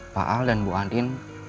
pak al dan bu andin